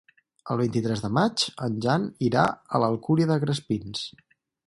El vint-i-tres de maig en Jan irà a l'Alcúdia de Crespins.